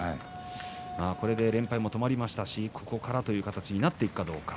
これで連敗が止まりましたしここからということ形になっていくかどうか。